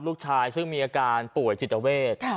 ลูกชายซึ่งมีอาการป่วยจิตเวท